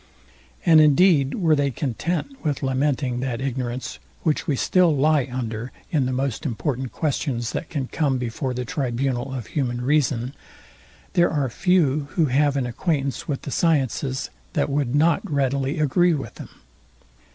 And indeed were they content with lamenting that ignorance, which we still lie under in the most important questions, that can come before the tribunal of human reason, there are few, who have an acquaintance with the sciences, that would not readily agree with them.